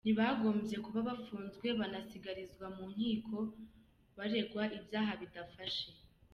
Ntibagombye kuba bafunzwe banasiragizwa mu nkiko baregwa ibyaha bidafashe.